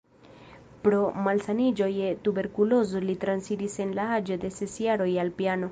Pro malsaniĝo je tuberkulozo li transiris en la aĝo de ses jaroj al piano.